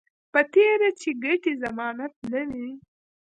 په تېره چې ګټې ضمانت نه وي